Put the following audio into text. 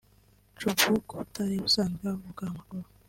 Chubbuck utari usanzwe avuga amakuru